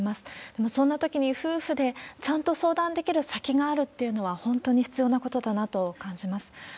でも、そんなときに夫婦でちゃんと相談できる先があるっていうのは、本当に必要なことだなと感じます。